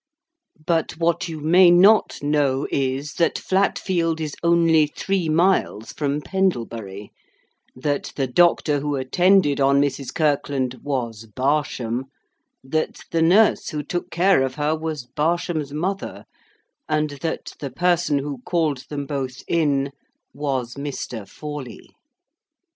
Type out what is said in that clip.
But what you may not know is, that Flatfield is only three miles from Pendlebury; that the doctor who attended on Mrs. Kirkland was Barsham; that the nurse who took care of her was Barsham's mother; and that the person who called them both in, was Mr. Forley.